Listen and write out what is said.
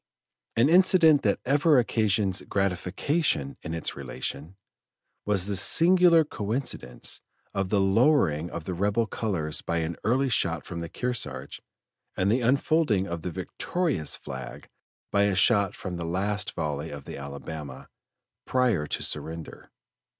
An incident that ever occasions gratification in its relation, was the singular coincidence of the lowering of the rebel colors by an early shot from the Kearsarge, and the unfolding of the victorious flag by a shot from the last volley of the Alabama, prior to surrender.